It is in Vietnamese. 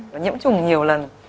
nó nhiễm trùng nhiều lần